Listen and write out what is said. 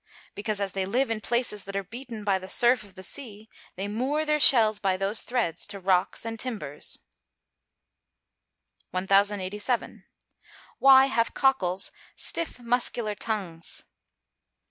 _ Because as they live in places that are beaten by the surf of the sea, they moor their shells by those threads to rocks and timbers. 1087. _Why have cockles stiff muscular tongues?